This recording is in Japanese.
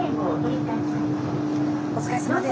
お疲れさまです。